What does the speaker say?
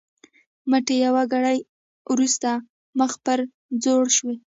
مټې یوه ګړۍ وروسته مخ پر ځوړو شو.